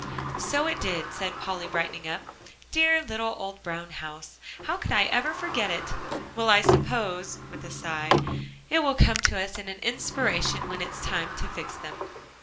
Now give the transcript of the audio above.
"So it did," said Polly, brightening up. "Dear little old brown house, how could I ever forget it! Well, I suppose," with a sigh, "it will come to us as an inspiration when it's time to fix them."